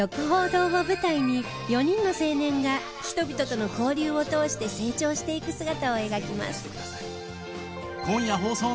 楓堂を舞台に４人の青年が人々との交流を通して成長していく姿を描きます。